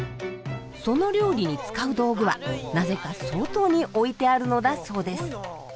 その料理に使う道具はなぜか外に置いてあるのだそうです。